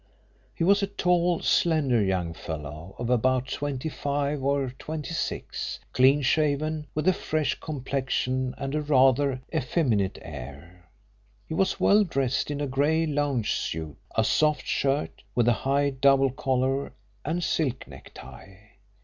He was a tall, slender young fellow of about twenty five or twenty six, clean shaven, with a fresh complexion and a rather effeminate air. He was well dressed in a grey lounge suit, a soft shirt, with a high double collar and silk necktie.